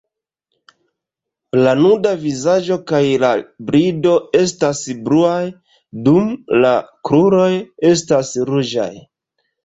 La nuda vizaĝo kaj la brido estas bluaj, dum la kruroj estas ruĝaj.